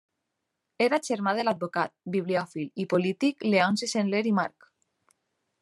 Era germà de l'advocat, bibliòfil i polític Leonci Soler i March.